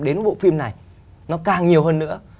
cái bộ phim này nó càng nhiều hơn nữa